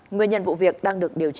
người nhân vụ việc đang được điều tra